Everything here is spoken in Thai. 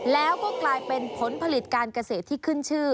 แล้วก็กลายเป็นผลผลิตการเกษตรที่ขึ้นชื่อ